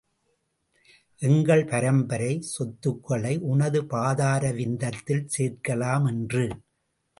எங்கள் பரம்பரை சொத்துக்களை உனது பாதார விந்தத்தில் சேர்க்கலாம் என்று.